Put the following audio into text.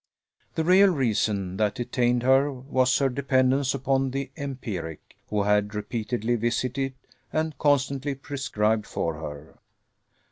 The real reason that detained her was her dependence upon the empiric, who had repeatedly visited and constantly prescribed for her.